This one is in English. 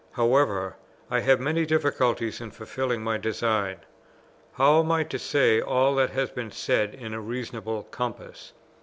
However, I have many difficulties in fulfilling my design. How am I to say all that has to be said in a reasonable compass?